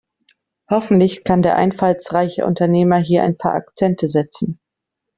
Hoffentlich kann der einfallsreiche Unternehmer hier ein paar Akzente setzen.